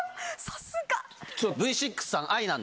さすが！